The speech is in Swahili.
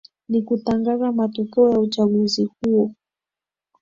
ni kutangaza matokeo ya uchaguzi huu